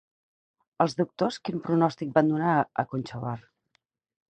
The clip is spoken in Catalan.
Els doctors quin pronòstic van donar a Conchobar?